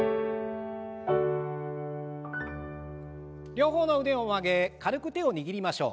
両方の腕を上げ軽く手を握りましょう。